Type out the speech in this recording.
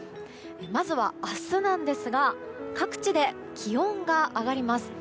まずは明日なんですが各地で気温が上がります。